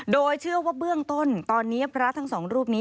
โดยเชื่อว่าเบื้องต้นตอนนี้พระทั้งสองรูปนี้